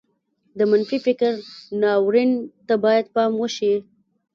د منفي فکر ناورين ته بايد پام وشي.